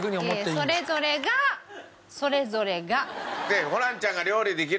いやいやそれぞれがそれぞれが。